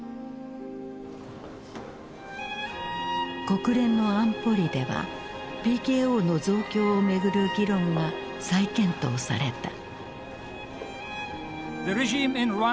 国連の安保理ではＰＫＯの増強を巡る議論が再検討された。